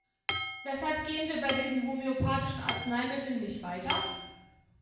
Weshalb gehen wir bei diesen homöopathischen Arzneimitteln nicht weiter?